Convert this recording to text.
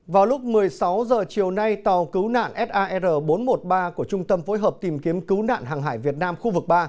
vào lúc một mươi sáu h chiều nay tàu cứu nạn sar bốn trăm một mươi ba của trung tâm phối hợp tìm kiếm cứu nạn hàng hải việt nam khu vực ba